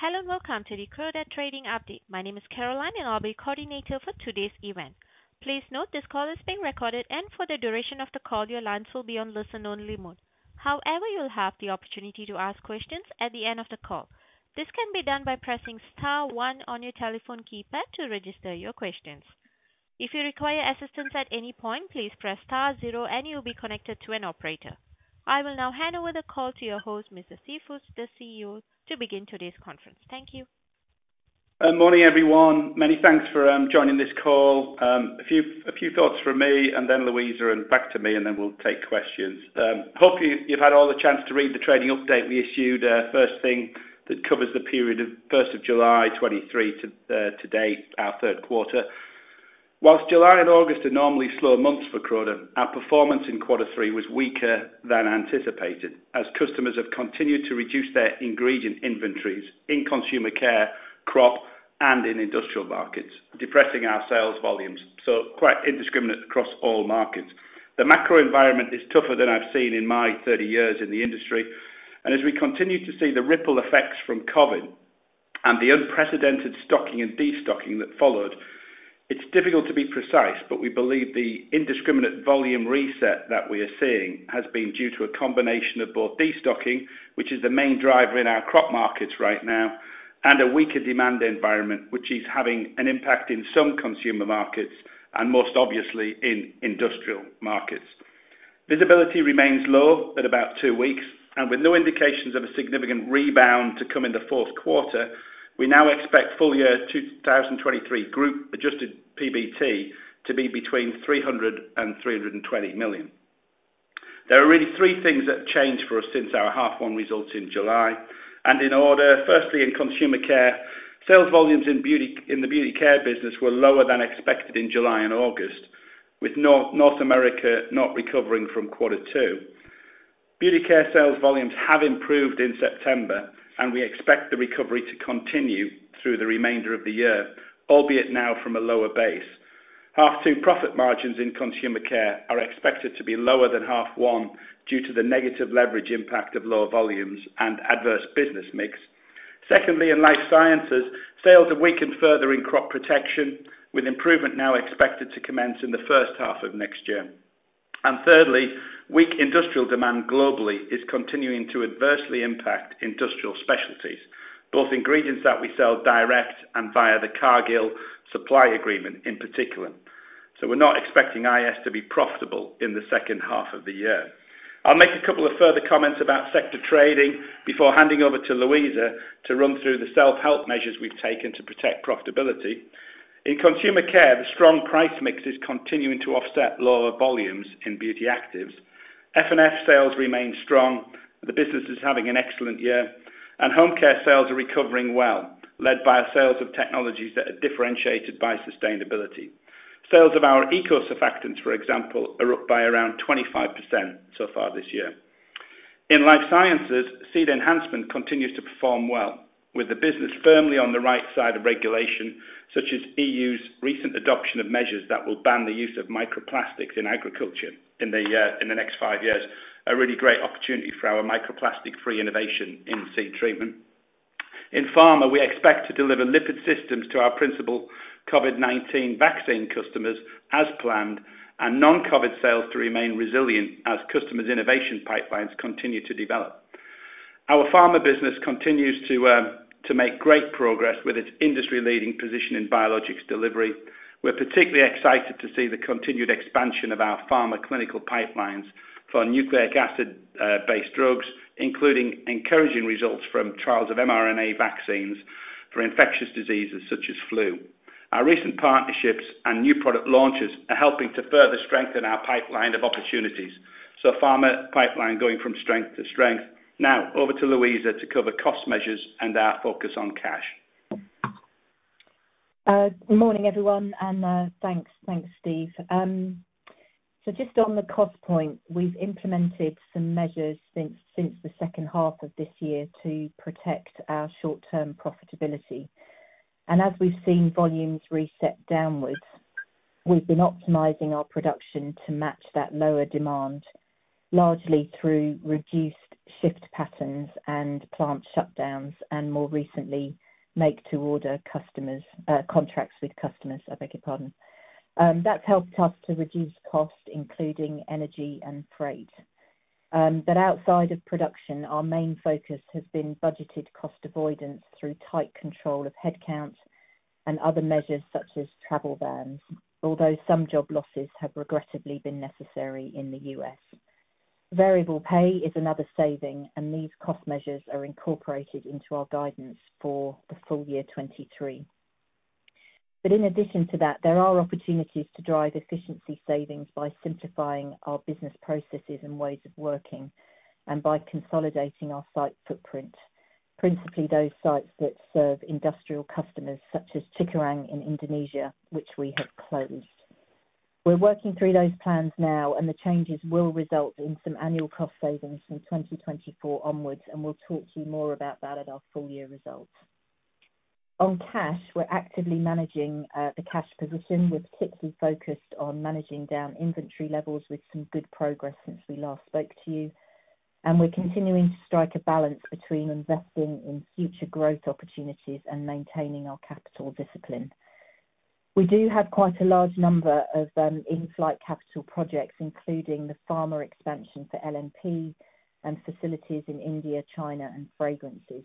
Hello, welcome to the Croda Trading Update. My name is Caroline, and I'll be your coordinator for today's event. Please note, this call is being recorded, and for the duration of the call, your lines will be on listen-only mode. However, you'll have the opportunity to ask questions at the end of the call. This can be done by pressing star one on your telephone keypad to register your questions. If you require assistance at any point, please press star zero and you'll be connected to an operator. I will now hand over the call to your host, Mr. Steve Foots, the CEO, to begin today's conference. Thank you. Morning, everyone. Many thanks for joining this call. A few thoughts from me and then Louisa and back to me, and then we'll take questions. Hopefully, you've had all the chance to read the trading update we issued, first thing that covers the period of 1st of July, 2023 to date, our third quarter. Whilst July and August are normally slow months for Croda, our performance in quarter three was weaker than anticipated, as customers have continued to reduce their ingredient inventories in Consumer Care, Crop, and in industrial markets, depressing our sales volumes, so quite indiscriminate across all markets. The macro environment is tougher than I've seen in my 30 years in the industry, and as we continue to see the ripple effects from COVID and the unprecedented stocking and destocking that followed, it's difficult to be precise. But we believe the indiscriminate volume reset that we are seeing has been due to a combination of both destocking, which is the main driver in our Crop markets right now, and a weaker demand environment, which is having an impact in some consumer markets and most obviously in industrial markets. Visibility remains low at about two weeks, and with no indications of a significant rebound to come in the fourth quarter, we now expect full year 2023 Group Adjusted PBT to be between 300 million and 320 million. There are really three things that have changed for us since our half one results in July. In order, firstly, in Consumer Care, sales volumes in Beauty Care were lower than expected in July and August, with North America not recovering from quarter two. Beauty Care sales volumes have improved in September, and we expect the recovery to continue through the remainder of the year, albeit now from a lower base. Half two profit margins in Consumer Care are expected to be lower than half one, due to the negative leverage impact of lower volumes and adverse business mix. Secondly, in Life Sciences, sales have weakened further in Crop Protection, with improvement now expected to commence in the first half of next year. And thirdly, weak industrial demand globally is continuing to adversely impact Industrial Specialties, both ingredients that we sell direct and via the Cargill supply agreement in particular. So we're not expecting IS to be profitable in the second half of the year. I'll make a couple of further comments about sector trading before handing over to Louisa to run through the self-help measures we've taken to protect profitability. In Consumer Care, the strong price mix is continuing to offset lower volumes in Beauty Actives. FNF sales remain strong, the business is having an excellent year, and Home Care sales are recovering well, led by our sales of technologies that are differentiated by sustainability. Sales of our ECO surfactants, for example, are up by around 25% so far this year. In Life Sciences, Seed Enhancement continues to perform well, with the business firmly on the right side of regulation, such as EU's recent adoption of measures that will ban the use of microplastics in agriculture in the next five years. A really great opportunity for our microplastic-free innovation in seed treatment. In Pharma, we expect to deliver Lipid Systems to our principal COVID-19 vaccine customers as planned, and non-COVID sales to remain resilient as customers' innovation pipelines continue to develop. Our pharma business continues to make great progress with its industry-leading position in biologics delivery. We're particularly excited to see the continued expansion of our pharma clinical pipelines for nucleic acid-based drugs, including encouraging results from trials of mRNA vaccines for infectious diseases such as flu. Our recent partnerships and new product launches are helping to further strengthen our pipeline of opportunities, so pharma pipeline going from strength to strength. Now, over to Louisa to cover cost measures and our focus on cash. Good morning, everyone, and thanks. Thanks, Steve. Just on the cost point, we've implemented some measures since the second half of this year to protect our short-term profitability. As we've seen volumes reset downwards, we've been optimizing our production to match that lower demand, largely through reduced shift patterns and plant shutdowns, and more recently, make to order contracts with customers, I beg your pardon. That's helped us to reduce costs, including energy and freight. Outside of production, our main focus has been budgeted cost avoidance through tight control of headcount and other measures such as travel bans, although some job losses have regrettably been necessary in the U.S. Variable pay is another saving, and these cost measures are incorporated into our guidance for the full year 2023. But in addition to that, there are opportunities to drive efficiency savings by simplifying our business processes and ways of working, and by consolidating our site footprint, principally those sites that serve industrial customers such as Cikarang in Indonesia, which we have closed. We're working through those plans now, and the changes will result in some annual cost savings from 2024 onwards, and we'll talk to you more about that at our full year results. On cash, we're actively managing the cash position. We're particularly focused on managing down inventory levels with some good progress since we last spoke to you, and we're continuing to strike a balance between investing in future growth opportunities and maintaining our capital discipline. We do have quite a large number of in-flight capital projects, including the pharma expansion for LNP and facilities in India, China and Fragrances.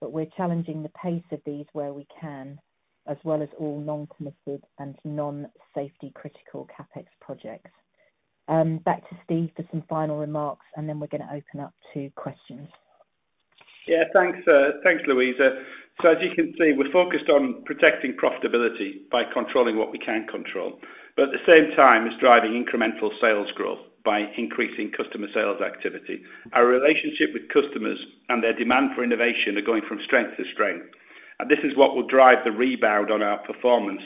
But we're challenging the pace of these where we can, as well as all non-committed and non-safety critical CapEx projects. Back to Steve for some final remarks, and then we're going to open up to questions. Yeah, thanks, thanks, Louisa. So as you can see, we're focused on protecting profitability by controlling what we can control, but at the same time, is driving incremental sales growth by increasing customer sales activity. Our relationship with customers and their demand for innovation are going from strength to strength, and this is what will drive the rebound on our performance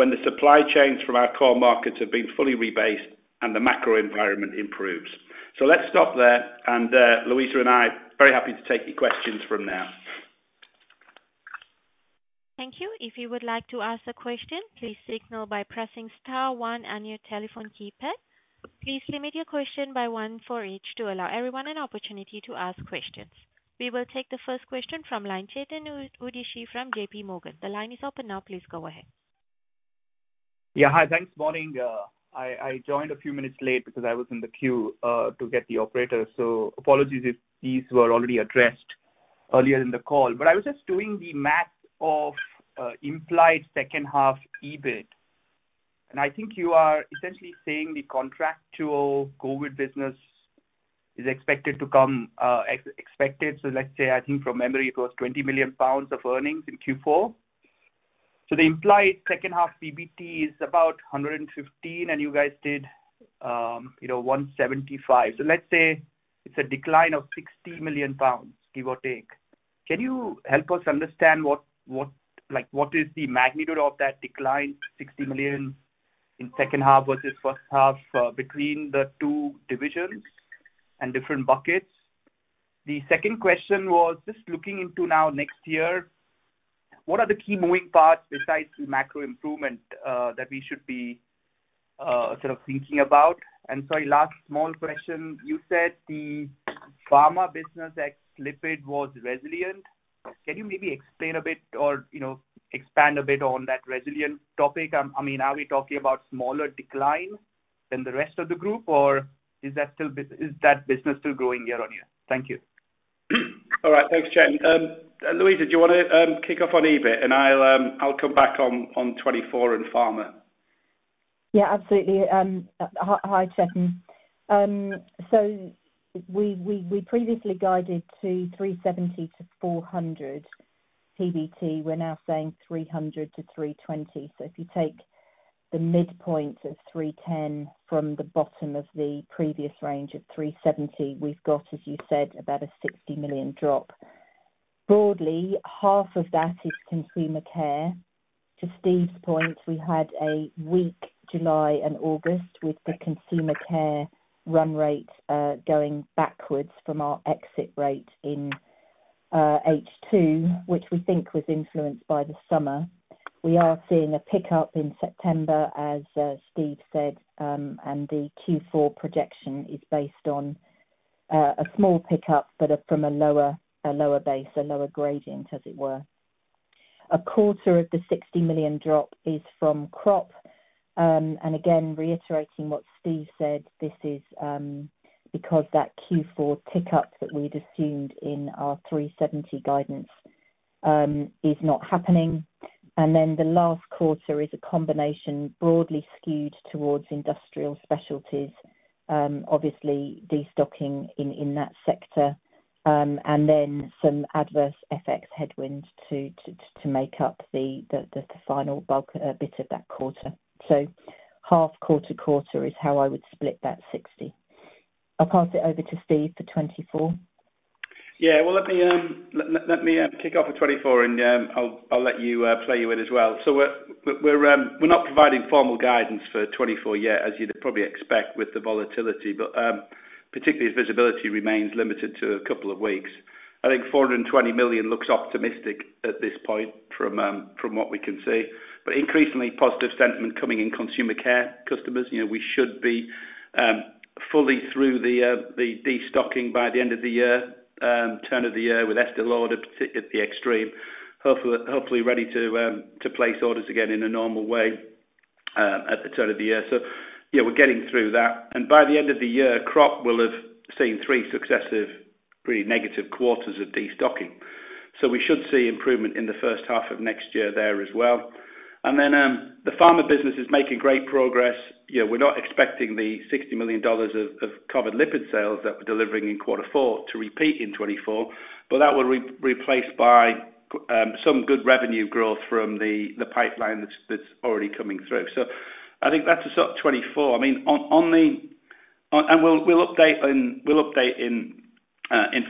when the supply chains from our core markets have been fully rebased and the macro environment improves. So let's stop there, and, Louisa and I are very happy to take your questions from now. Thank you. If you would like to ask a question, please signal by pressing star one on your telephone keypad. Please limit your question by one for each, to allow everyone an opportunity to ask questions. We will take the first question from line, Chetan Udeshi from JPMorgan. The line is open now. Please go ahead. Yeah, Hi. Thanks. Morning, I joined a few minutes late because I was in the queue to get the operator. So apologies if these were already addressed earlier in the call. But I was just doing the math of implied second half EBIT, and I think you are essentially saying the contractual COVID business is expected to come as expected. So let's say, I think from memory, it was 20 million pounds of earnings in Q4. So the implied second half PBT is about 115 million, and you guys did, you know, 175 million. So let's say it's a decline of 60 million pounds, give or take. Can you help us understand what, like, what is the magnitude of that decline to 60 million in second half versus first half, between the two divisions and different buckets? The second question was just looking into now next year, what are the key moving parts besides the macro improvement, that we should be, sort of thinking about? And sorry, last small question: You said the pharma business at lipid was resilient. Can you maybe explain a bit or, you know, expand a bit on that resilient topic? I mean, are we talking about smaller declines than the rest of the group, or is that business still growing year on year? Thank you. All right. Thanks, Chetan. Louisa, do you wanna kick off on EBIT? And I'll come back on 2024 and pharma. Yeah, absolutely. Hi, hi, Chetan. We previously guided to 370 million-400 million PBT. We're now saying 300 million-320 million. If you take the midpoint of 310 million from the bottom of the previous range of 370 million, we've got, as you said, about a 60 million drop. Broadly, half of that is Consumer Care. To Steve's point, we had a weak July and August with the Consumer Care run rate going backwards from our exit rate in H2, which we think was influenced by the summer. We are seeing a pickup in September, as Steve said, and the Q4 projection is based on a small pickup, but from a lower, a lower base, a lower gradient, as it were. A quarter of the 60 million drop is from Crop. And again, reiterating what Steve said, this is because that Q4 tick-up that we'd assumed in our 370 million guidance is not happening. Then the last quarter is a combination broadly skewed towards Industrial Specialties, obviously, destocking in that sector, and then some adverse FX headwinds to make up the final bulk bit of that quarter. So half quarter, quarter is how I would split that 60 million. I'll pass it over to Steve for 2024. Yeah, well, let me kick off with 2024 and, I'll let you play you in as well. So we're not providing formal guidance for 2024 yet, as you'd probably expect with the volatility, but particularly as visibility remains limited to a couple of weeks. I think 420 million looks optimistic at this point from what we can see. But increasingly positive sentiment coming in Consumer Care customers, you know, we should be fully through the destocking by the end of the year, turn of the year, with Estée Lauder, particularly at the extreme, hopefully ready to place orders again in a normal way, at the turn of the year. So yeah, we're getting through that. By the end of the year, Crop will have seen three successive, pretty negative quarters of destocking. So we should see improvement in the first half of next year there as well. And then the pharma business is making great progress. You know, we're not expecting the $60 million of COVID Lipid sales that we're delivering in quarter four to repeat in 2024, but that will replace by some good revenue growth from the pipeline that's already coming through. So I think that's the sort of 2024. I mean, on the... On, and we'll update in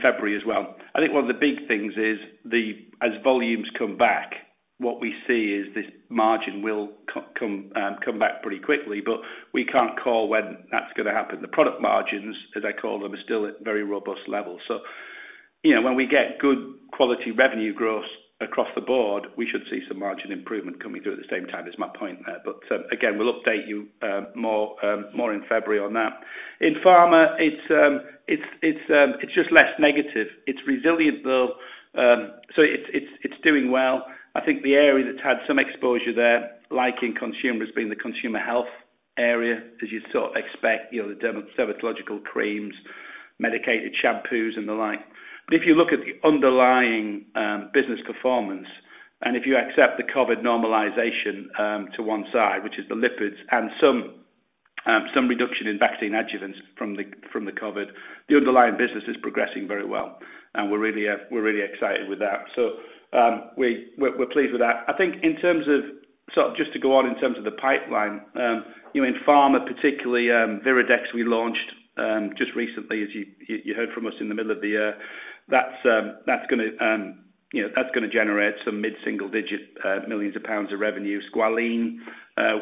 February as well. I think one of the big things is the, as volumes come back, what we see is this margin will come back pretty quickly, but we can't call when that's gonna happen. The product margins, as I call them, are still at very robust levels. So you know, when we get good quality revenue growth across the board, we should see some margin improvement coming through at the same time, is my point there. But again, we'll update you more in February on that. In pharma, it's just less negative. It's resilient, though, so it's doing well. I think the area that's had some exposure there, like in consumers, being the consumer health area, as you'd sort of expect, you know, the dermatological creams, medicated shampoos, and the like. If you look at the underlying business performance, and if you accept the COVID normalization to one side, which is the lipids and some reduction in vaccine adjuvants from the COVID, the underlying business is progressing very well, and we're really, we're really excited with that. We're pleased with that. I think in terms of—just to go on in terms of the pipeline, you know, in pharma particularly, Virodex, we launched just recently, as you heard from us in the middle of the year. That's going to generate some mid-single digit millions of pound of revenue. Squalene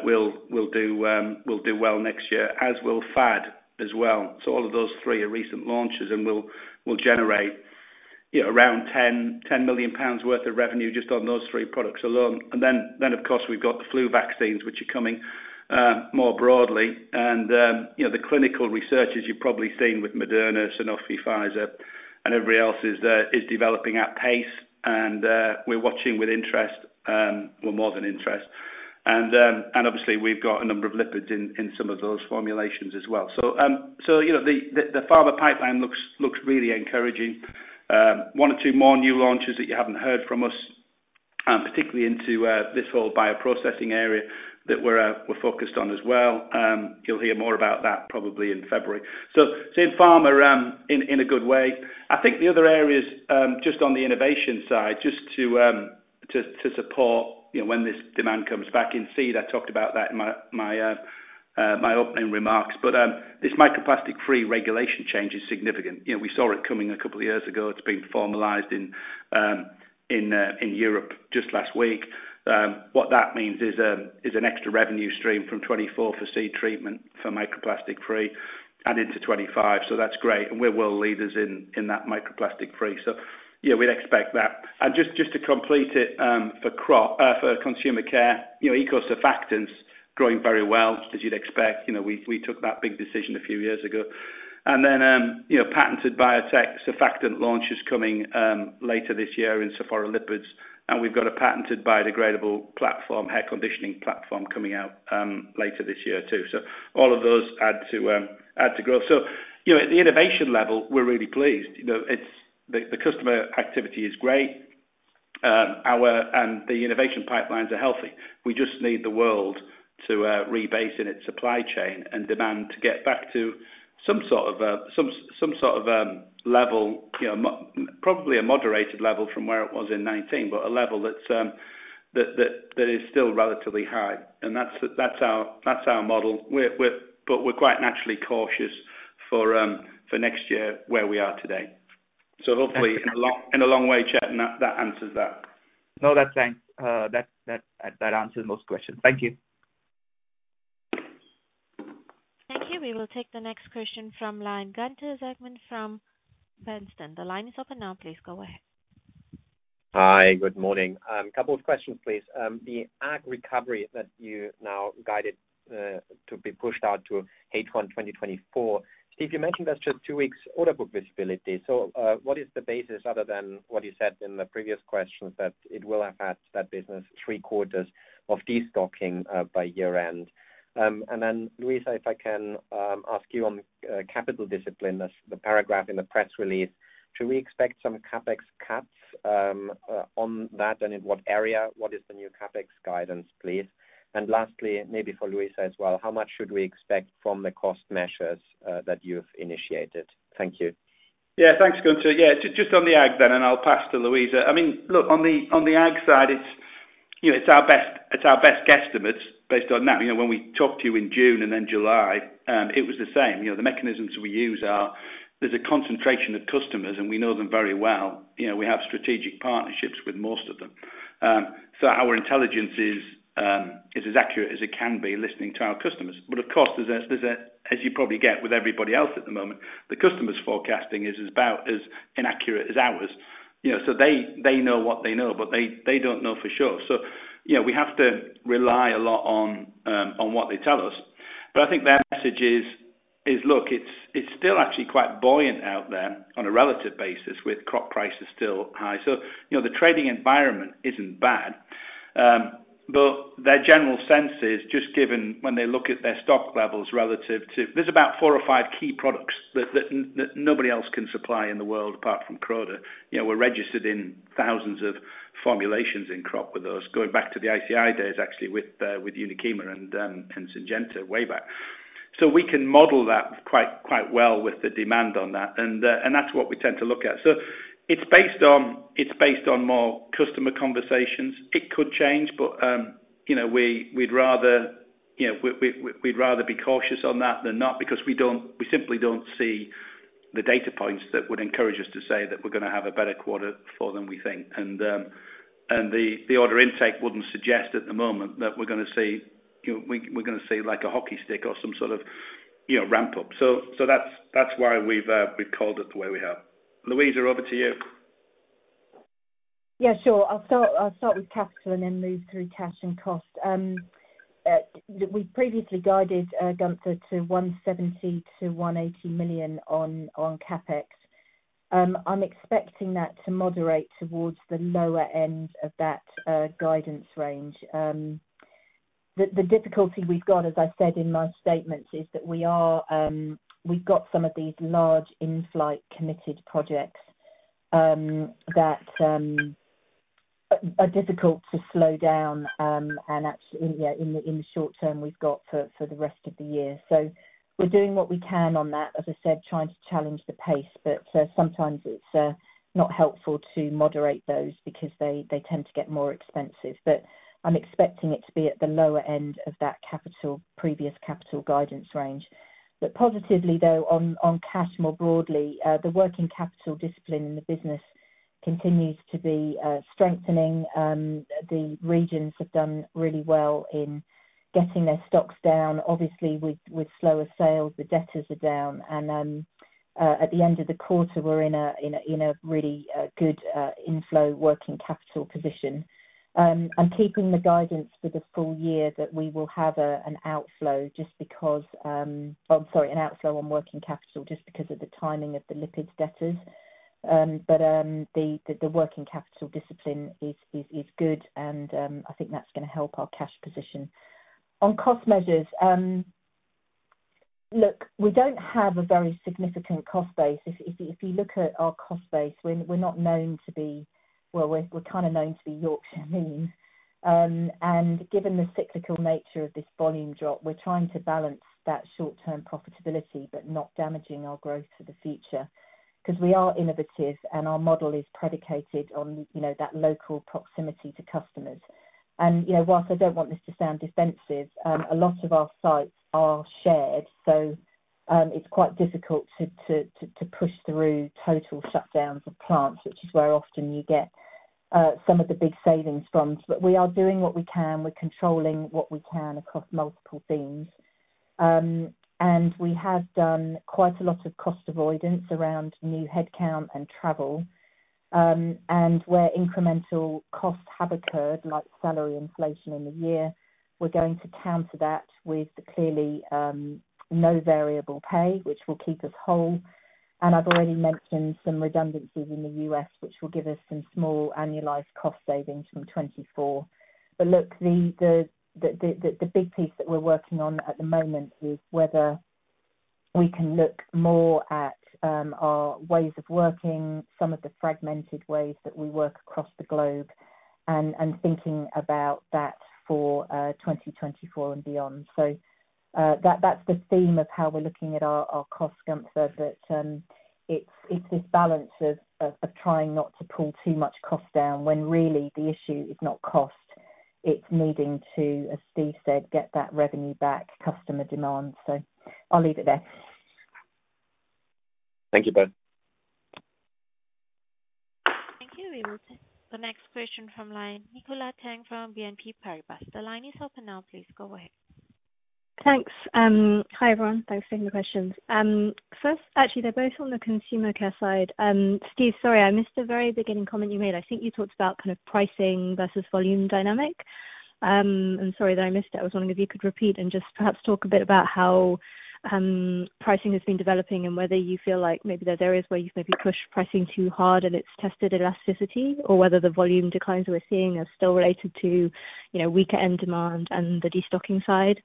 will do well next year, as will FAD as well. So all of those three are recent launches and will generate, you know, a round 10 million pounds worth of revenue just on those three products alone. And then, of course, we've got the flu vaccines, which are coming more broadly. And, you know, the clinical researchers you've probably seen with Moderna, Sanofi, Pfizer, and everybody else, is developing at pace, and, we're watching with interest, well, more than interest. And, and obviously, we've got a number of lipids in some of those formulations as well. So, so, you know, the pharma pipeline looks really encouraging. One or two more new launches that you haven't heard from us, particularly into this whole bioprocessing area, that we're focused on as well. You'll hear more about that probably in February. In pharma, in a good way. I think the other areas, just on the innovation side, just to support, you know, when this demand comes back in seed, I talked about that in my opening remarks. This microplastic-free regulation change is significant. You know, we saw it coming a couple of years ago. It's been formalized in Europe just last week. What that means is an extra revenue stream from 2024 for seed treatment, for microplastic free and into 2025. That's great, and we're world leaders in that microplastic free. Yeah, we'd expect that. Just to complete it, for Consumer Care, you know, ECO surfactants growing very well, as you'd expect. You know, we took that big decision a few years ago. And then, you know, patented biotech surfactant launch is coming later this year in sophorolipids, and we've got a patented biodegradable platform, hair conditioning platform, coming out later this year, too. So all of those add to growth. So, you know, at the innovation level, we're really pleased. You know, it's... The customer activity is great. Our and the innovation pipelines are healthy. We just need the world to rebase in its supply chain and demand to get back to some sort of a some sort of level, you know, probably a moderated level from where it was in 2019, but a level that that is still relatively high. And that's our model. We're quite naturally cautious for next year, where we are today. So hopefully, in a long way, Chet, and that answers that. No, that's thanks. That answers most questions. Thank you. Thank you. We will take the next question from line, Gunther Zechmann from Bernstein. The line is open now. Please go ahead. Hi, good morning. Couple of questions, please. The ag recovery that you now guided to be pushed out to H1 2024, Steve, you mentioned that's just two weeks order book visibility. So, what is the basis, other than what you said in the previous questions, that it will have had that business three quarters of destocking by year-end? And then, Louisa, if I can ask you on capital discipline, as the paragraph in the press release, should we expect some CapEx cuts on that, and in what area? What is the new CapEx guidance, please? And lastly, maybe for Louisa as well, how much should we expect from the cost measures that you've initiated? Thank you. Yeah, thanks, Gunther. Yeah, just on the ag then, and I'll pass to Louisa. I mean, look, on the ag side, it's our best guesstimates, based on that. You know, when we talked to you in June and then July, it was the same. You know, the mechanisms we use are, there's a concentration of customers, and we know them very well. You know, we have strategic partnerships with most of them. So our intelligence is as accurate as it can be, listening to our customers. But of course, there's a, as you probably get with everybody else at the moment, the customer's forecasting is about as inaccurate as ours. You know, so they know what they know, but they don't know for sure. So, you know, we have to rely a lot on, on what they tell us. But I think their message is: Look, it's still actually quite buoyant out there on a relative basis, with Crop prices still high. So, you know, the trading environment isn't bad, but their general sense is, just given when they look at their stock levels relative to—There's about four or five key products that nobody else can supply in the world, apart from Croda. You know, we're registered in thousands of formulations in Crop with us, going back to the ICI days, actually, with Uniqema and, and Syngenta, way back. So we can model that quite well with the demand on that, and that's what we tend to look at. So it's based on, it's based on more customer conversations. It could change, but, you know, we'd rather, you know, we, we'd rather be cautious on that than not, because we simply don't see the data points that would encourage us to say that we're gonna have a better quarter for than we think. And, and the, the order intake wouldn't suggest at the moment that we're gonna see, you know, we're gonna see like a hockey stick or some sort of, you know, ramp up. So, that's, that's why we've, we've called it the way we have. Louisa, over to you. Yeah, sure. I'll start with capital and then move through cash and cost. We previously guided, Gunther, to 170 million-180 million on CapEx. I'm expecting that to moderate towards the lower end of that guidance range. The difficulty we've got, as I said in my statement, is that we are, we've got some of these large in-flight committed projects that are difficult to slow down. And actually, in the short term, we've got for the rest of the year. So we're doing what we can on that, as I said, trying to challenge the pace. But sometimes it's not helpful to moderate those because they tend to get more expensive. But I'm expecting it to be at the lower end of that previous CapEx guidance range. But positively though, on cash more broadly, the working capital discipline in the business continues to be strengthening. The regions have done really well in getting their stocks down. Obviously, with slower sales, the debtors are down, and at the end of the quarter, we're in a really good inflow working capital position. I'm keeping the guidance for the full year that we will have an outflow just because... I'm sorry, an outflow on working capital, just because of the timing of the lipid debtors. But the working capital discipline is good, and I think that's gonna help our cash position. On cost measures, look, we don't have a very significant cost base. If you look at our cost base, we're not known to be—well, we're kind of known to be Yorkshire mean. And given the cyclical nature of this volume drop, we're trying to balance that short-term profitability, but not damaging our growth for the future. 'Cause we are innovative, and our model is predicated on, you know, that local proximity to customers. And, you know, while I don't want this to sound defensive, a lot of our sites are shared, so it's quite difficult to push through total shutdowns of plants, which is where often you get some of the big savings from. But we are doing what we can. We're controlling what we can across multiple themes. We have done quite a lot of cost avoidance around new headcount and travel. Where incremental costs have occurred, like salary inflation in the year, we're going to counter that with clearly no variable pay, which will keep us whole. I've already mentioned some redundancies in the U.S., which will give us some small annualized cost savings from 2024. The big piece that we're working on at the moment is whether we can look more at our ways of working, some of the fragmented ways that we work across the globe, and thinking about that for 2024 and beyond. That's the theme of how we're looking at our cost, Gunther. But, it's this balance of trying not to pull too much cost down, when really the issue is not cost, it's needing to, as Steve said, get that revenue back, customer demand. So I'll leave it there. Thank you, bud. Thank you. We will take the next question from line, Nicola Tang from BNP Paribas. The line is open now. Please go ahead. Thanks. Hi, everyone. Thanks for taking the questions. First, actually, they're both on the Consumer Care side. Steve, sorry, I missed the very beginning comment you made. I think you talked about kind of pricing versus volume dynamic. I'm sorry that I missed it. I was wondering if you could repeat and just perhaps talk a bit about how pricing has been developing and whether you feel like maybe there are areas where you've maybe pushed pricing too hard and it's tested elasticity, or whether the volume declines we're seeing are still related to, you know, weaker end demand and the destocking side.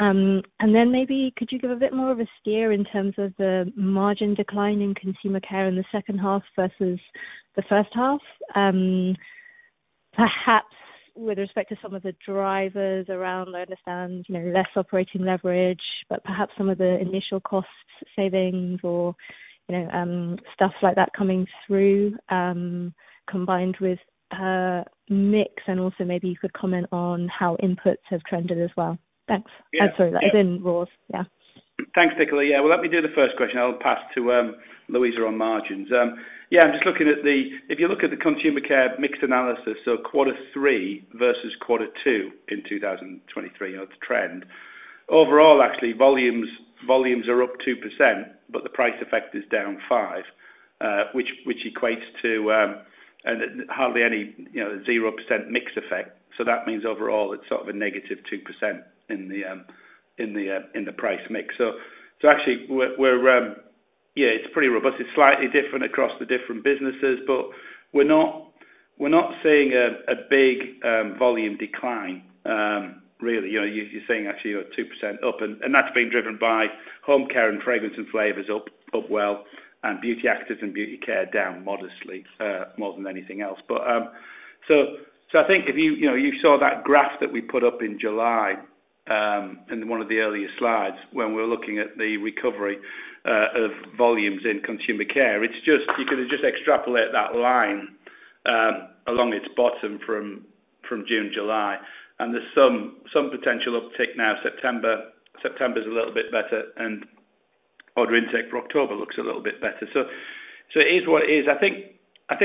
And then maybe could you give a bit more of a steer in terms of the margin decline in Consumer Care in the second half versus the first half? Perhaps with respect to some of the drivers around, I understand, you know, less operating leverage, but perhaps some of the initial cost savings or, you know, stuff like that coming through, combined with, you know, mix, and also maybe you could comment on how inputs have trended as well. Thanks. I'm sorry, that's in roles. Yeah. Thanks, Nicola. Yeah, well, let me do the first question. I'll pass to Louisa on margins. Yeah, I'm just looking at the—if you look at the Consumer Care mix analysis, so quarter three versus quarter two in 2023, and it's a trend. Overall, actually, volumes, volumes are up 2%, but the price effect is down 5%, which, which equates to hardly any, you know, 0% mix effect. So that means overall it's sort of a -2% in the, in the, in the price mix. So, so actually we're, we're, yeah, it's pretty robust. It's slightly different across the different businesses, but we're not, we're not seeing a big volume decline, really. You know, you're seeing actually you're 2% up, and that's being driven by home care and fragrance and flavors up well, and beauty actives and beauty care down modestly, more than anything else. I think if you, you know, you saw that graph that we put up in July, in one of the earlier slides, when we're looking at the recovery of volumes in Consumer Care, it's just- you could just extrapolate that line... along its bottom from June, July, and there's some potential uptick now. September, September's a little bit better, and order intake for October looks a little bit better. It is what it is. I think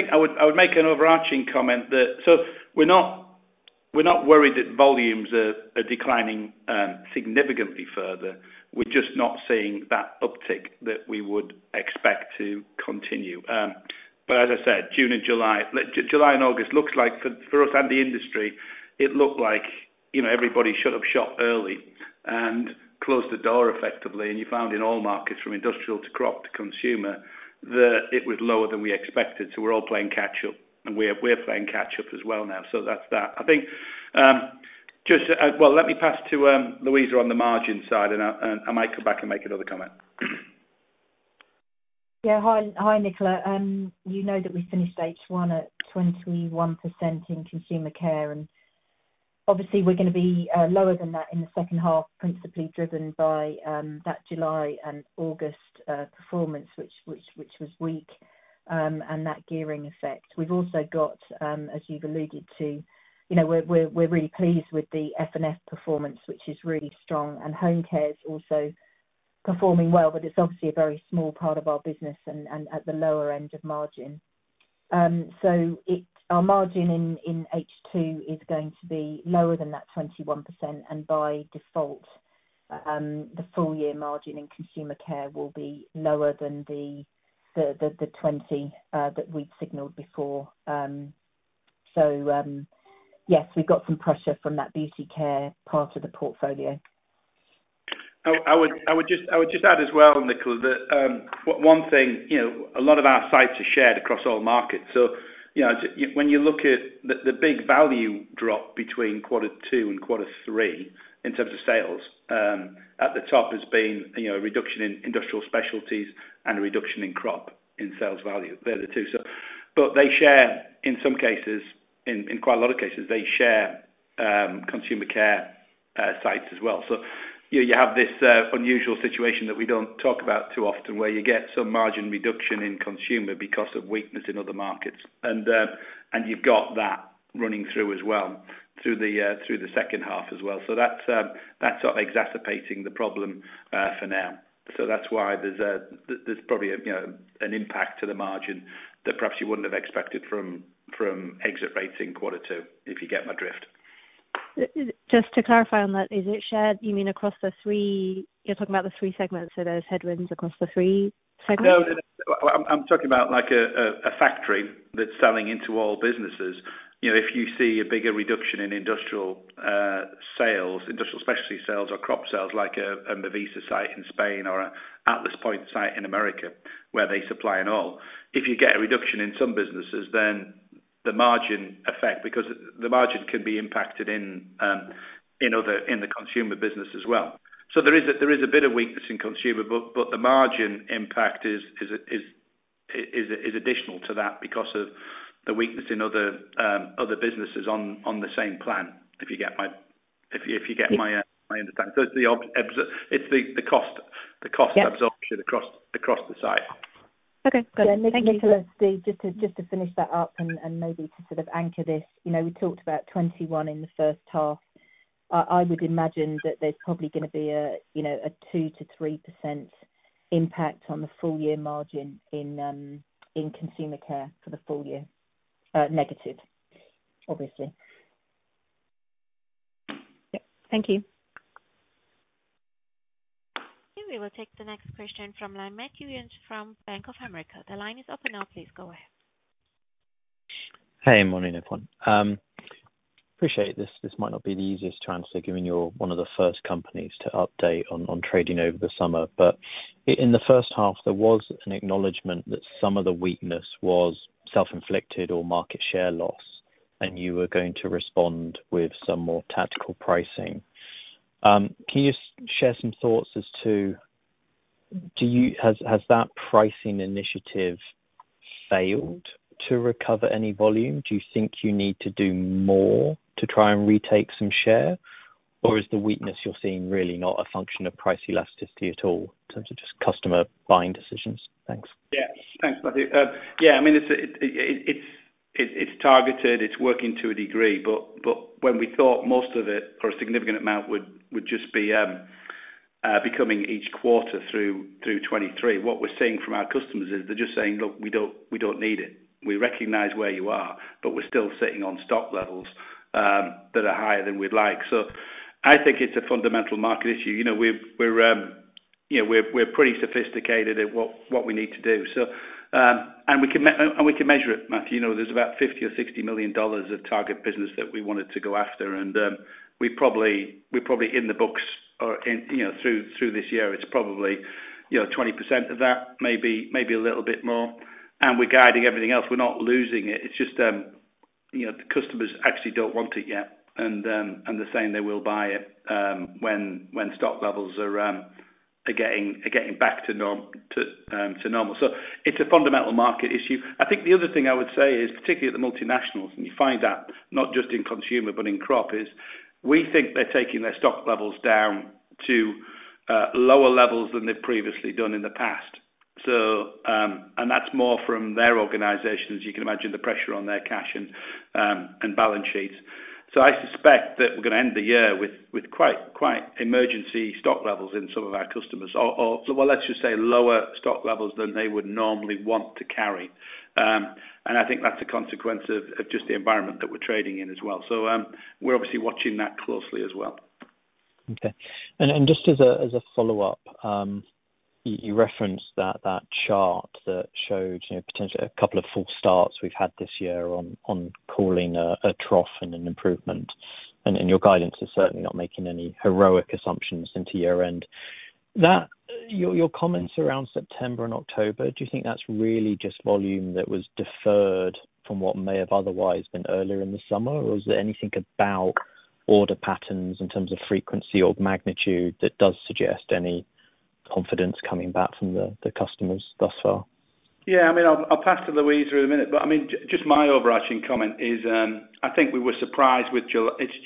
I would make an overarching comment that we're not, we're not worried that volumes are declining significantly further. We're just not seeing that uptick that we would expect to continue. But as I said, June and July and August looks like for us and the industry, it looked like, you know, everybody shut up shop early and closed the door effectively, and you found in all markets, from Industrial to Crop to Consumer, that it was lower than we expected. So we're all playing catch up, and we're playing catch up as well now. So that's that. I think, just... Well, let me pass to Louisa, on the margin side, and I might come back and make another comment. Yeah. Hi, hi, Nicola. You know that we finished H1 at 21% in Consumer Care, and obviously we're gonna be lower than that in the second half, principally driven by that July and August performance, which, which, which was weak, and that gearing effect. We've also got, as you've alluded to, you know, we're, we're, we're really pleased with the FNF performance, which is really strong, and home care is also performing well, but it's obviously a very small part of our business and, and at the lower end of margin. So it's our margin in H2 is going to be lower than that 21%, and by default, the full year margin in Consumer Care will be lower than the 20% that we'd signaled before. Yes, we've got some pressure from that Beauty Care part of the portfolio. I would just add as well, Nicola, that one thing, you know, a lot of our sites are shared across all markets, so, you know, when you look at the big value drop between quarter two and quarter three, in terms of sales, at the top has been, you know, a reduction in Industrial Specialties and a reduction in Crop, in sales value. They're the two, so. But they share, in some cases, in quite a lot of cases, they share Consumer Care sites as well. So, you know, you have this unusual situation that we don't talk about too often, where you get some margin reduction in Consumer because of weakness in other markets. And you've got that running through as well, through the second half as well. So that's, that's sort of exacerbating the problem for now. So that's why there's probably, you know, an impact to the margin that perhaps you wouldn't have expected from exit rates in quarter two, if you get my drift. Just to clarify on that, is it shared, you mean across the three-- You're talking about the three segments, so there's headwinds across the three segments? No, I'm talking about like a factory that's selling into all businesses. You know, if you see a bigger reduction in Industrial Specialty sales or Crop sales, like a Mevisa site in Spain or an Atlas Point site in America, where they supply in all. If you get a reduction in some businesses, then the margin effect, because the margin can be impacted in other, in the consumer business as well. There is a bit of weakness in consumer, but the margin impact is additional to that, because of the weakness in other businesses on the same plan, if you get my, if you get my understanding. Yes. So it's the cost. Yep... absorption across the site. Okay, good. Thank you. Nicola, Steve, just to finish that up and maybe to sort of anchor this, you know, we talked about 21 in the first half. I would imagine that there's probably gonna be a, you know, a 2%-3% impact on the full-year margin in Consumer Care for the full year, negative, obviously. Yep. Thank you. We will take the next question from Matthew Yates from Bank of America. The line is open now, please go ahead. Hey, good morning, everyone. Appreciate this, this might not be the easiest answer, given you're one of the first companies to update on, on trading over the summer. In the first half, there was an acknowledgement that some of the weakness was self-inflicted or market share loss, and you were going to respond with some more tactical pricing. Can you share some thoughts as to... Do you, has, has that pricing initiative failed to recover any volume? Do you think you need to do more to try and retake some share? Is the weakness you're seeing really not a function of price elasticity at all, in terms of just customer buying decisions? Thanks. Yes. Thanks, Matthew. Yeah, I mean, it's targeted, it's working to a degree, but when we thought most of it, or a significant amount would just be becoming each quarter through 2023, what we're seeing from our customers is they're just saying: "Look, we don't need it. We recognize where you are, but we're still sitting on stock levels that are higher than we'd like." So I think it's a fundamental market issue. You know, we're pretty sophisticated at what we need to do. So, and we can measure it, Matthew, you know, there's about $50 million-$60 million of target business that we wanted to go after, and, we probably, we're probably in the books or in, you know, through, through this year, it's probably, you know, 20% of that, maybe, maybe a little bit more. And we're guiding everything else. We're not losing it. It's just, you know, the customers actually don't want it yet, and, and they're saying they will buy it, when, when stock levels are, are getting, are getting back to norm, to, to normal. So it's a fundamental market issue. I think the other thing I would say is, particularly at the multinationals, and you find that not just in Consumer, but in Crop, is we think they're taking their stock levels down to lower levels than they've previously done in the past. So, and that's more from their organizations. You can imagine the pressure on their cash and, and balance sheets. So I suspect that we're gonna end the year with quite emergency stock levels in some of our customers or so—well, let's just say lower stock levels than they would normally want to carry. And I think that's a consequence of just the environment that we're trading in as well. So, we're obviously watching that closely as well. Okay. And just as a follow-up, you referenced that chart that showed, you know, potentially a couple of false starts we've had this year on calling a trough and an improvement, and your guidance is certainly not making any heroic assumptions into year-end. That, your comments around September and October, do you think that's really just volume that was deferred from what may have otherwise been earlier in the summer? Or is there anything about order patterns in terms of frequency or magnitude that does suggest any confidence coming back from the customers thus far? Yeah, I mean, I'll pass to Louisa in a minute, but I mean, just my overarching comment is, I think we were surprised with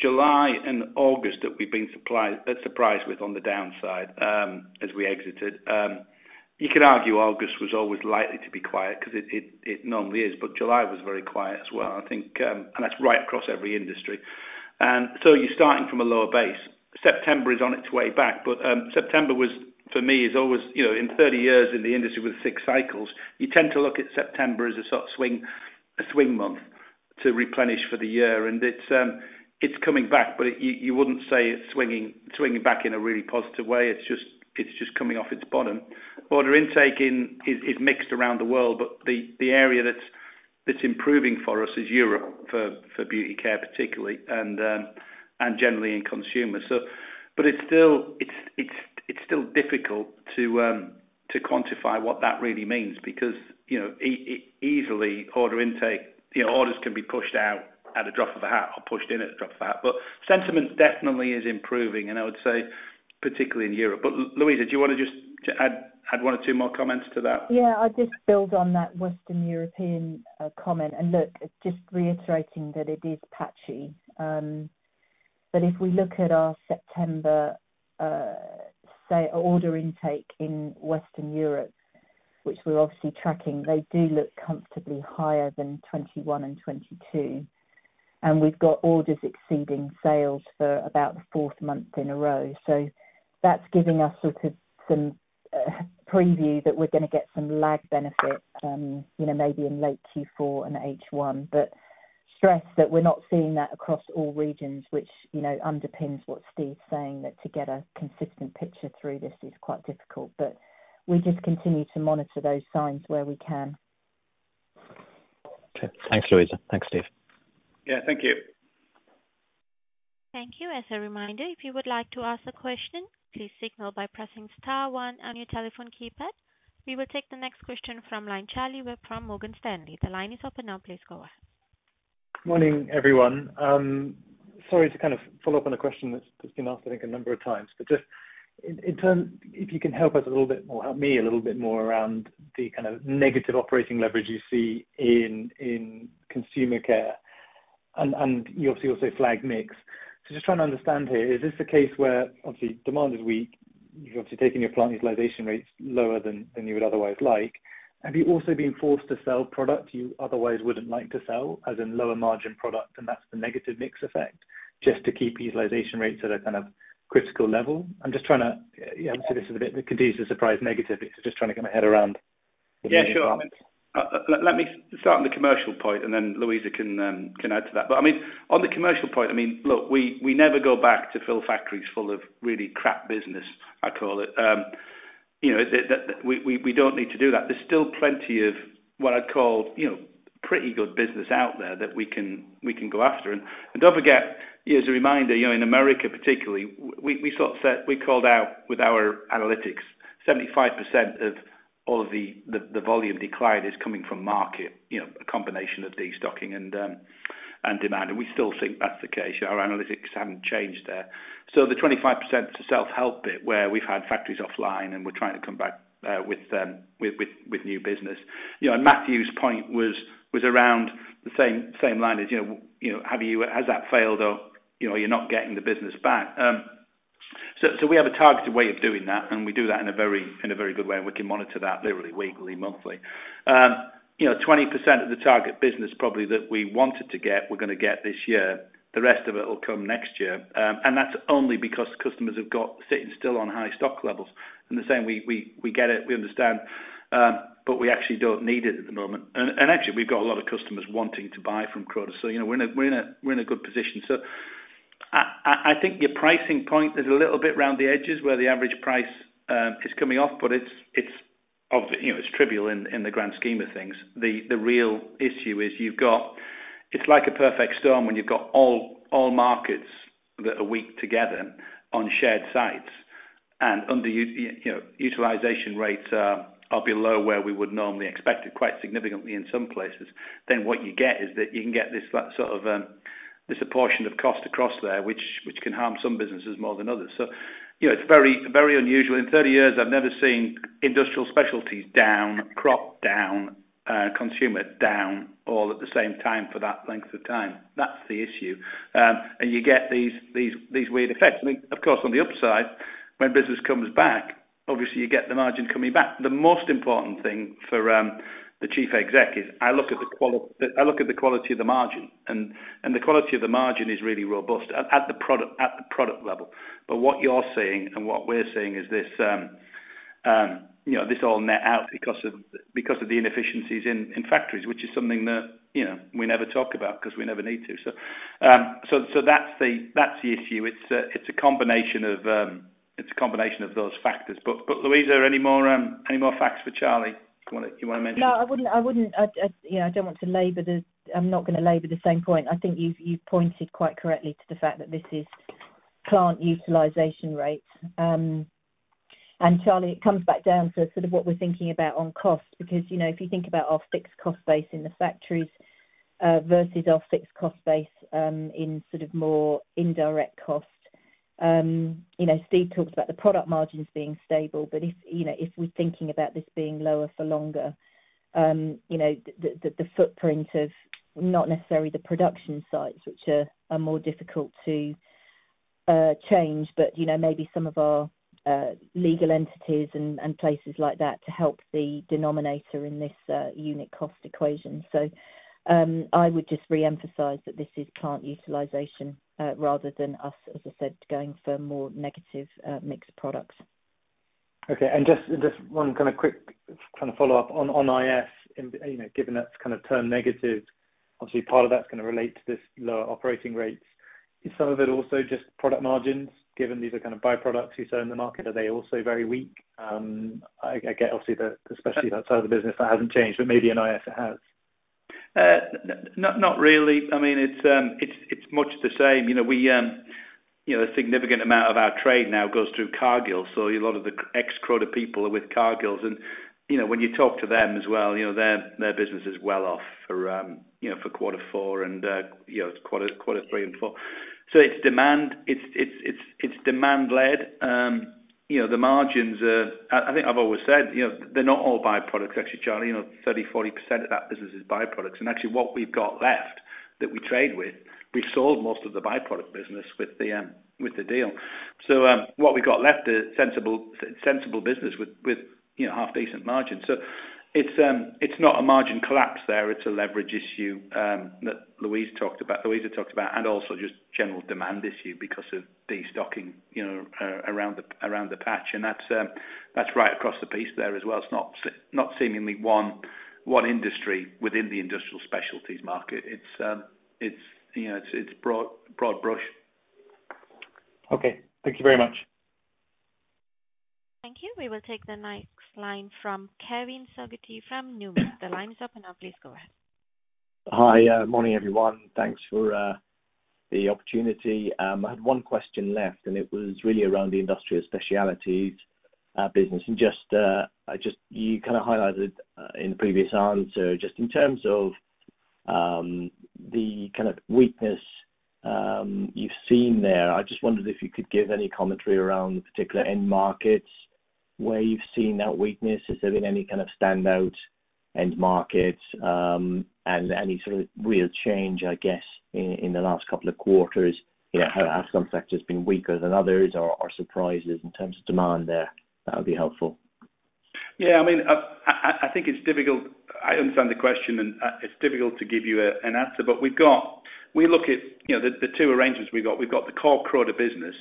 July and August that we've been supplied, surprised with on the downside, as we exited. You could argue August was always likely to be quiet because it normally is, but July was very quiet as well, I think, and that's right across every industry. And so you're starting from a lower base. September is on its way back, but September was, for me, is always, you know, in 30 years in the industry with six cycles, you tend to look at September as a sort of swing, a swing month to replenish for the year. And it's coming back, but you wouldn't say it's swinging back in a really positive way. It's just coming off its bottom. Order intake is mixed around the world, but the area that's improving for us is Europe, for Beauty Care particularly, and generally in consumer. So, but it's still difficult to quantify what that really means because, you know, easily order intake, you know, orders can be pushed out at a drop of a hat or pushed in at a drop of a hat. But sentiment definitely is improving, and I would say particularly in Europe. But Louisa, do you want to just add one or two more comments to that? Yeah, I'll just build on that Western European comment. And look, it's just reiterating that it is patchy. But if we look at our September, say, order intake in Western Europe, which we're obviously tracking, they do look comfortably higher than 2021 and 2022. And we've got orders exceeding sales for about the fourth month in a row. So that's giving us sort of some preview that we're gonna get some lag benefit, you know, maybe in late Q4 and H1. But stress that we're not seeing that across all regions, which, you know, underpins what Steve's saying, that to get a consistent picture through this is quite difficult. But we just continue to monitor those signs where we can. Okay. Thanks, Louisa. Thanks, Steve. Yeah, thank you. Thank you. As a reminder, if you would like to ask a question, please signal by pressing star one on your telephone keypad. We will take the next question from line Charlie Webb from Morgan Stanley. The line is open now, please go ahead. Morning, everyone. Sorry to kind of follow up on a question that's been asked, I think, a number of times. But just in terms, if you can help us a little bit more, help me a little bit more around the kind of negative operating leverage you see in Consumer Care, and you obviously also flag mix. So just trying to understand here, is this a case where obviously demand is weak, you've obviously taken your plant utilization rates lower than you would otherwise like, have you also been forced to sell product you otherwise wouldn't like to sell, as in lower margin product, and that's the negative mix effect, just to keep utilization rates at a kind of critical level? I'm just trying to, you know, so this is a bit of a conducive surprise negative. It's just trying to get my head around. Yeah, sure. Let me start on the commercial point, and then Louisa can add to that. But I mean, on the commercial point, I mean, look, we never go back to fill factories full of really crap business, I call it. You know, we don't need to do that. There's still plenty of what I'd call, you know, pretty good business out there that we can go after. And don't forget, as a reminder, you know, in America particularly, we sort of said, we called out with our analytics, 75% of all of the volume decline is coming from market, you know, a combination of destocking and demand. And we still think that's the case. Our analytics haven't changed there. The 25% to self-help bit, where we've had factories offline, and we're trying to come back with new business. You know, and Matthew's point was around the same line as, you know, have you-- has that failed or, you know, you're not getting the business back? We have a targeted way of doing that, and we do that in a very, in a very good way, and we can monitor that literally weekly, monthly. You know, 20% of the target business probably that we wanted to get, we're gonna get this year. The rest of it will come next year. That's only because customers have got sitting still on high stock levels. And they're saying, "We get it, we understand, but we actually don't need it at the moment." And actually, we've got a lot of customers wanting to buy from Croda. So, you know, we're in a good position. So I think your pricing point is a little bit around the edges, where the average price is coming off, but it's obviously, you know, it's trivial in the grand scheme of things. The real issue is you've got... It's like a perfect storm when you've got all markets that are weak together on shared sites and under utilization rates are below where we would normally expect it, quite significantly in some places. Then what you get is that you can get this, that sort of, disproportionate of cost across there, which, which can harm some businesses more than others. So, you know, it's very, very unusual. In 30 years, I've never seen Industrial Specialties down, Crop down and Consumer down all at the same time for that length of time. That's the issue. And you get these, these, these weird effects. I mean, of course, on the upside, when business comes back, obviously you get the margin coming back. The most important thing for the chief exec is I look at the quality of the margin, and the quality of the margin is really robust at the product level. But what you're seeing, and what we're seeing is this, you know, this all net out because of the inefficiencies in factories, which is something that, you know, we never talk about because we never need to. So that's the issue. It's a combination of those factors. But Louisa, are there any more facts for Charlie? You wanna mention? No, I wouldn't. You know, I don't want to labor the... I'm not gonna labor the same point. I think you've pointed quite correctly to the fact that this is plant utilization rates. And Charlie, it comes back down to sort of what we're thinking about on cost. Because, you know, if you think about our fixed cost base in the factories, versus our fixed cost base, in sort of more indirect costs, you know, Steve talks about the product margins being stable, but if, you know, if we're thinking about this being lower for longer, you know, the footprint of not necessarily the production sites, which are more difficult to change, but you know, maybe some of our legal entities and places like that, to help the denominator in this unit cost equation. So, I would just reemphasize that this is plant utilization, rather than us, as I said, going for more negative mixed products. Okay. And just one kind of quick follow-up on IS, and you know, given that's kind of turned negative, obviously part of that's gonna relate to this lower operating rates. Is some of it also just product margins, given these are kind of byproducts you sell in the market, are they also very weak? I get obviously that especially that side of the business, that hasn't changed, but maybe in IS it has. Not really. I mean, it's, it's much the same. You know, we, you know, a significant amount of our trade now goes through Cargill, so a lot of the ex Croda people are with Cargill. And, you know, when you talk to them as well, you know, their business is well off for, you know, for quarter four and, you know, quarter, quarter three and four. So it's demand, it's, it's, it's, it's demand led. You know, the margins are-- I think I've always said, you know, they're not all byproducts, actually, Charlie. You know, 30%-40% of that business is byproducts, and actually what we've got left, that we trade with, we've sold most of the byproduct business with the, with the deal. So, what we've got left is sensible, sensible business with, with, you know, half decent margins. So it's, it's not a margin collapse there, it's a leverage issue, that Louisa talked about, Louisa talked about, and also just general demand issue because of destocking, you know, around the patch. And that's, that's right across the piece there as well. It's not not seemingly one industry within the Industrial Specialties market. It's, it's, you know, it's, it's broad, broad brush. Okay. Thank you very much. Thank you. We will take the next line from Kevin Fogarty from Numis. The line is open now, please go ahead. Hi, morning everyone. Thanks for the opportunity. I had one question left, and it was really around the Industrial Specialties business. And just, I just, you kind of highlighted in the previous answer, just in terms of the kind of weakness you've seen there, I just wondered if you could give any commentary around the particular end markets, where you've seen that weakness. Has there been any kind of standout end markets, and any sort of real change, I guess, in the last couple of quarters? You know, have some sectors been weaker than others or surprises in terms of demand there? That would be helpful. Yeah, I mean, I think it's difficult. I understand the question, and it's difficult to give you a, an answer, but we've got-- We look at, you know, the, the two arrangements we've got. We've got the core Croda business.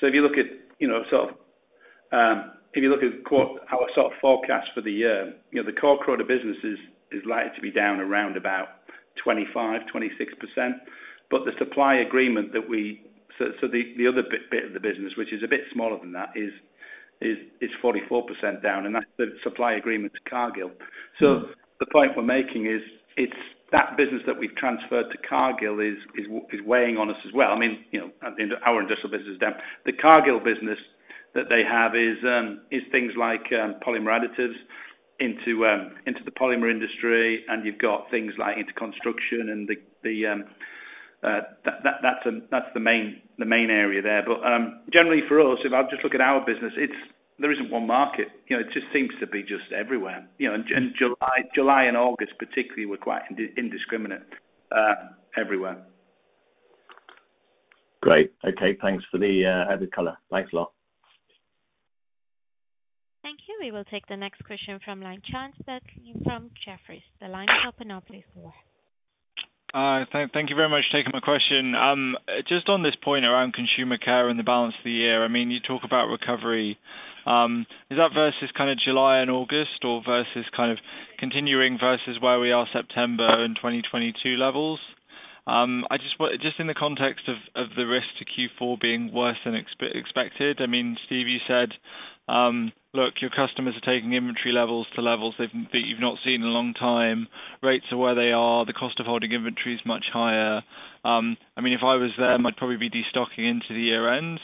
So if you look at, you know, sort of, if you look at quarter, our sort of forecast for the year, you know, the core Croda business is likely to be down around about 25%-26%. But the supply agreement that we-- So, so the other bit of the business, which is a bit smaller than that, is 44% down, and that's the supply agreement to Cargill. Mm. So the point we're making is, it's that business that we've transferred to Cargill is weighing on us as well. I mean, you know, our industrial business is down. The Cargill business that they have is things like polymer additives into the polymer industry, and you've got things like into construction and the, that, that's the main, the main area there. But generally for us, if I just look at our business, it's, there isn't one market, you know, it just seems to be just everywhere. You know, and July, July and August particularly, were quite indiscriminate, everywhere. Great. Okay, thanks for the added color. Thanks a lot. Thank you. We will take the next question from line, Charles Bentley from Jefferies. The line is open now, please go ahead. Thank you very much for taking my question. Just on this point around Consumer Care and the balance of the year, I mean, you talk about recovery. Is that versus kind of July and August, or versus kind of continuing, versus where we are September in 2022 levels? I just want, just in the context of the risk to Q4 being worse than expected, I mean, Steve, you said, look, your customers are taking inventory levels to levels they've, that you've not seen in a long time. Rates are where they are, the cost of holding inventory is much higher. I mean, if I was them, I'd probably be destocking into the year end.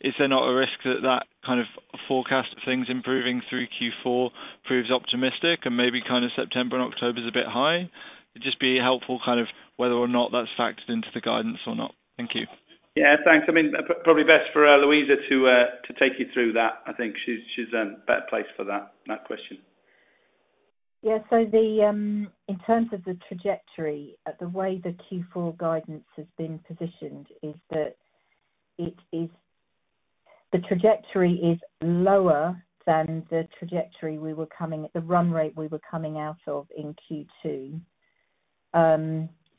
Is there not a risk that that kind of forecast of things improving through Q4 proves optimistic and maybe kind of September and October is a bit high? It'd just be helpful, kind of whether or not that's factored into the guidance or not. Thank you. Yeah, thanks. I mean, probably best for Louisa to take you through that. I think she's better placed for that question. Yeah. In terms of the trajectory, the way the Q4 guidance has been positioned is that it is the trajectory is lower than the trajectory we were coming, the run rate we were coming out of in Q2.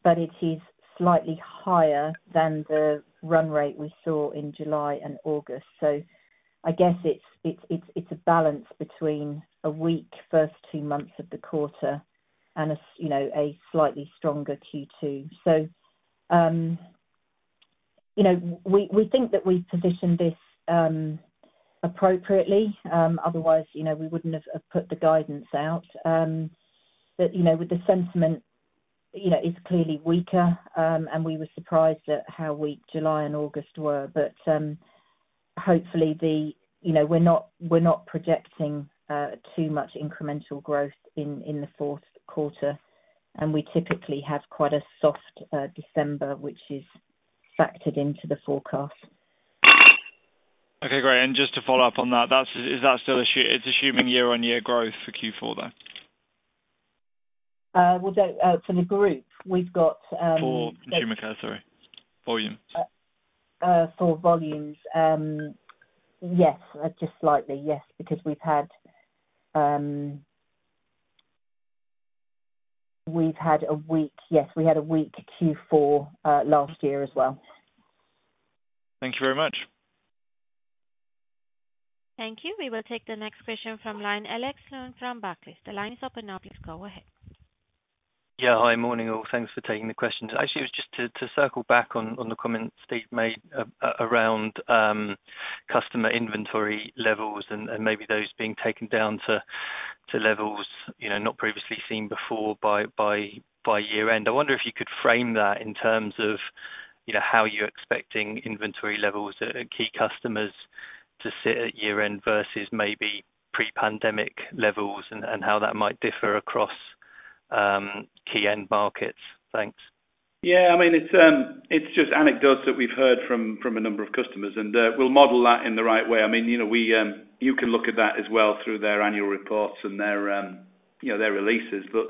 It is slightly higher than the run rate we saw in July and August. I guess it's a balance between a weak first two months of the quarter and a slightly stronger Q2. We think that we've positioned this appropriately, otherwise, you know, we wouldn't have put the guidance out. You know, the sentiment is clearly weaker, and we were surprised at how weak July and August were. Hopefully the... You know, we're not projecting too much incremental growth in the fourth quarter, and we typically have quite a soft December, which is factored into the forecast. Okay, great. Just to follow up on that, is that still assuming? It's assuming year-on-year growth for Q4, though? Well, for the group, we've got, For Consumer Care, sorry, volumes. For volumes, yes, just slightly. Yes, because we've had a weak Q4. Yes, we had a weak Q4 last year as well. Thank you very much. Thank you. We will take the next question from line, Alex Sloane from Barclays. The line is open now, please go ahead. Yeah. Hi, morning, all. Thanks for taking the questions. Actually, it was just to circle back on the comments Steve made around customer inventory levels and maybe those being taken down to levels, you know, not previously seen before by year end. I wonder if you could frame that in terms of, you know, how you're expecting inventory levels at key customers to sit at year end versus maybe pre-pandemic levels, and how that might differ across key end markets? Thanks. Yeah, I mean, it's just anecdotes that we've heard from a number of customers. And we'll model that in the right way. I mean, you know, you can look at that as well through their annual reports and their, you know, their releases. But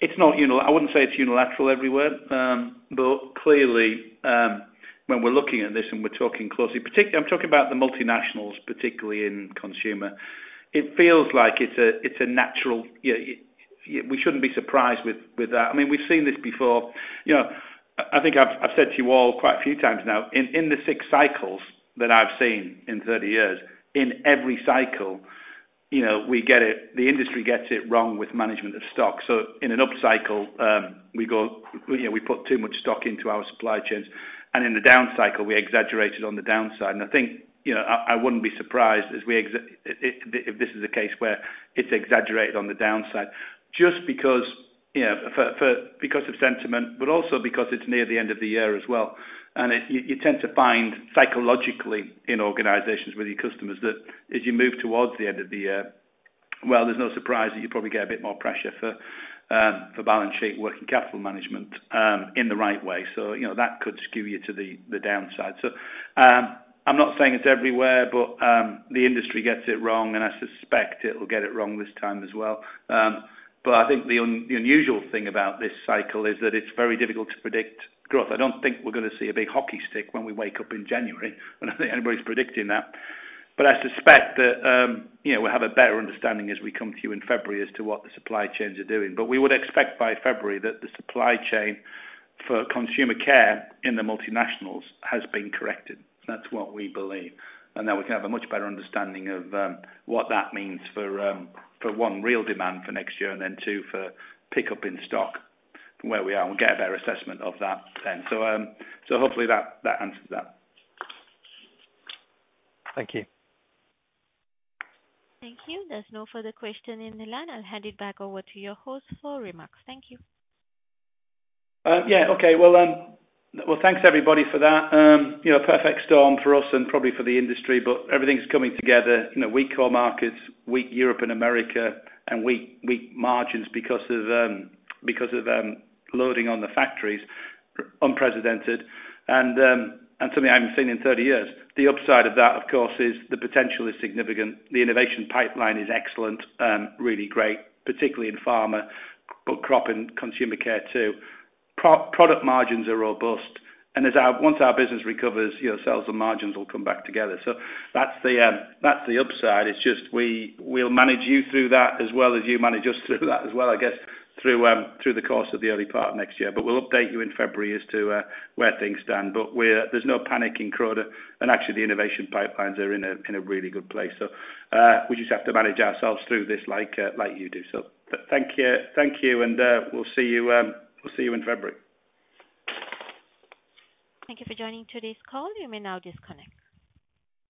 it's not. I wouldn't say it's unilateral everywhere. But clearly, when we're looking at this and we're talking closely, particularly I'm talking about the multinationals, particularly in consumer. It feels like it's a natural. We shouldn't be surprised with that. I mean, we've seen this before. You know, I think I've said to you all quite a few times now, in the six cycles that I've seen in 30 years, in every cycle, you know, we get it, the industry gets it wrong with management of stock. So in an upcycle, you know, we put too much stock into our supply chains, and in the down cycle, we exaggerate it on the downside. And I think, you know, I wouldn't be surprised if this is a case where it's exaggerated on the downside, just because, you know, because of sentiment, but also because it's near the end of the year as well. You tend to find psychologically in organizations with your customers, that as you move towards the end of the year, well, there's no surprise that you probably get a bit more pressure for balance sheet working capital management, in the right way. So, you know, that could skew you to the downside. So, I'm not saying it's everywhere, but, the industry gets it wrong, and I suspect it will get it wrong this time as well. But I think the unusual thing about this cycle is that it's very difficult to predict growth. I don't think we're gonna see a big hockey stick when we wake up in January, I don't think anybody's predicting that. But I suspect that, you know, we'll have a better understanding as we come to you in February as to what the supply chains are doing. But we would expect by February that the supply chain for Consumer Care in the multinationals has been corrected. That's what we believe, and that we can have a much better understanding of, what that means for, for one, real demand for next year, and then two, for pickup in stock from where we are, and we'll get a better assessment of that then. So, so hopefully that, that answers that. Thank you. Thank you. There's no further question in the line. I'll hand it back over to your host for remarks. Thank you. Yeah, okay. Well, thanks, everybody, for that. You know, a perfect storm for us and probably for the industry, but everything's coming together. You know, weak core markets, weak Europe and America, and weak, weak margins because of, because of, loading on the factories, unprecedented and, and something I haven't seen in 30 years. The upside of that, of course, is the potential is significant, the innovation pipeline is excellent, really great, particularly in pharma, but Crop and Consumer Care too. Product margins are robust, and as our once our business recovers, you know, sales and margins will come back together. So that's the, that's the upside. It's just we, we'll manage you through that, as well as you manage us through that as well, I guess, through, through the course of the early part of next year. But we'll update you in February as to where things stand. But we're. There's no panic in Croda, and actually, the innovation pipelines are in a really good place. So, we just have to manage ourselves through this like, like you do. So thank you, thank you, and we'll see you, we'll see you in February. Thank you for joining today's call. You may now disconnect.